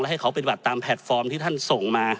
ให้เขาปฏิบัติตามแพลตฟอร์มที่ท่านส่งมา